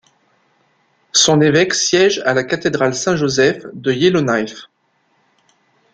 Son évêque siège à la cathédrale Saint-Joseph de Yellowknife.